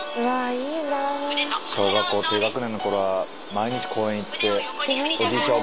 小学校低学年のころは毎日公園行っておじいちゃん